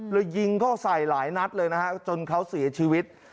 ยิงเข้าใส่หลายนัดเลยนะฮะจนเขาเสียชีวิต